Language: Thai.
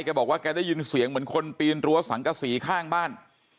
บอกว่าแกได้ยินเสียงเหมือนคนปีนรั้วสังกษีข้างบ้าน